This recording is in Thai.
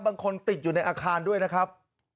ติดอยู่ในอาคารด้วยนะครับ